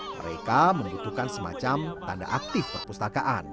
mereka membutuhkan semacam tanda aktif perpustakaan